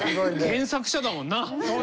原作者だもんな。